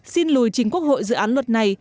xin lùi trình quốc hội dự án luật này